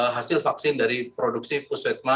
hasil vaksin dari produksi puswetma